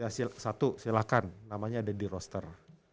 yang pertama silakan namanya ada di roster